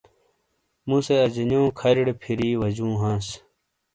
مُوسے اجانیو کھَریرے پھِیری واجوں ہانس۔